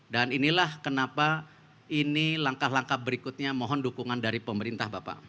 dan inilah kenapa ini langkah langkah berikutnya mohon dukungan dari pemerintah bapak